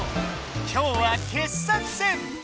今日は傑作選。